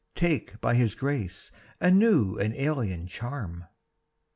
Take by his grace a new and alien charm.